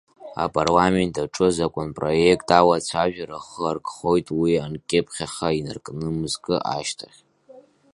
Апарламент аҿы азакәанпроект алаҵәажәара ахы аркхоит уи анкьыԥхьаха инаркны мызкы ашьҭахь.